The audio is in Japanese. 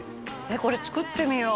これ作ってみよう。